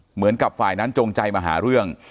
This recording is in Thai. เหมือนกับฝ่ายนั้นจงใจมาหาเรื่อง